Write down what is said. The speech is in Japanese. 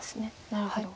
なるほど。